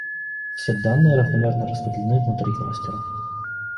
Все данные равномерно распределены внутри кластера